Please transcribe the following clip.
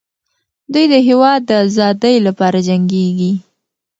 دوی د هېواد د ازادۍ لپاره جنګېږي.